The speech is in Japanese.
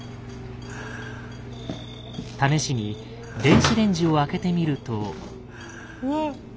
試しに電子レンジを開けてみると。